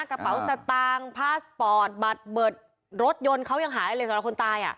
กะเฝาสะตางปลาสปอร์ตบัตรบิดรถยนต์เขายังหายอะไรละหลายคนตายอะ